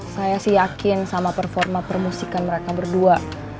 saya sih yakin sama performa permusikan mereka berdua